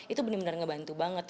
itu benar benar ngebantu banget